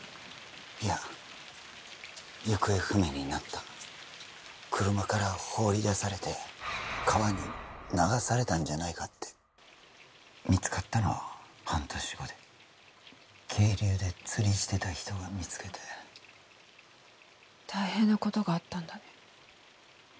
いや行方不明になった車から放り出されて川に流されたんじゃないかって見つかったのは半年後で渓流で釣りしてた人が見つけて大変なことがあったんだね